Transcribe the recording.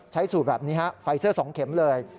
สูตรแบบนี้ฮะไฟเซอร์๒เข็มเลย